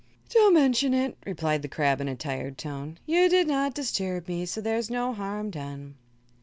"Don't mention it," replied the crab, in a tired tone. "You did not disturb me, so there is no harm done."